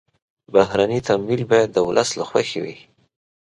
بهرني تمویل باید د ولس له خوښې وي.